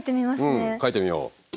うん書いてみよう。